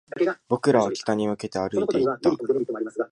僕らは北に向けて歩いていった